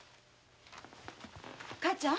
母ちゃん⁉